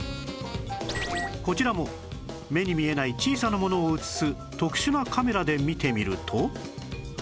こちらも目に見えない小さなものを映す特殊なカメラで見てみると